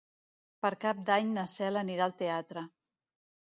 Per Cap d'Any na Cel anirà al teatre.